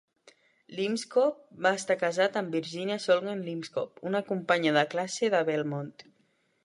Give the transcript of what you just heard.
Lipscomb va estar casat amb Virginia Sognalian Lipscomb, una companya de classe de Belmont.